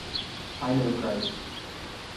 I know Christ.